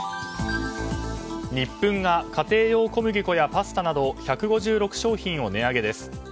ニップンが家庭用小麦粉やパスタなど１５６商品を値上げです。